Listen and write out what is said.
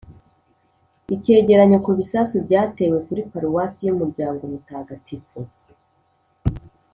icyegeranyo ku bisasu byatewe kuri paruwasi y'umuryango mutagatifu